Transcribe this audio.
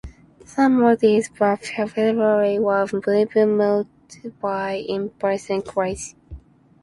Some of these lab facilities were removed by Imperial College.